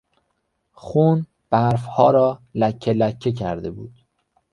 خون برفها را لکهلکه کرده بود.